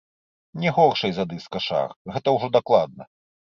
Не горшай за дыска-шар, гэта ўжо дакладна.